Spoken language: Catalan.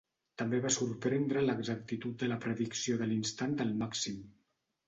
També va sorprendre l'exactitud de la predicció de l'instant del màxim.